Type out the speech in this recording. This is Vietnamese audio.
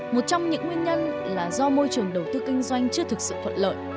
một trong những nguyên nhân là do môi trường đầu tư kinh doanh chưa thực sự thuận lợi